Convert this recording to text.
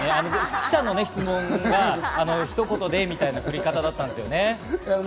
記者の質問が「ひと言で」みたいな振り方だったんですよね。